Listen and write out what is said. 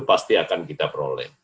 pasti akan kita peroleh